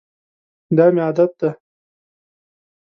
دا مي عادت دی .